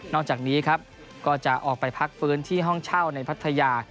จากนี้ครับก็จะออกไปพักฟื้นที่ห้องเช่าในพัทยา